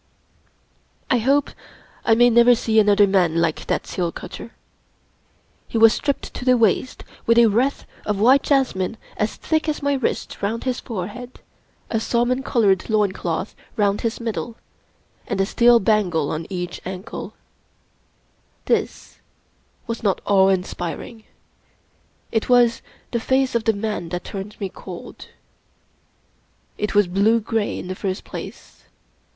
I hope I may never see another man like that seal cut ter. He was stripped to the waist, with a wreath of white jasmine as thick as my wrist round his forehead, a salmon colored loin cloth round his middle, and a steel bangle on 31 English Mystery Stories each ankle. This was not awe inspiring. It was the face of the man that turned me colA It was blue gray in the first place.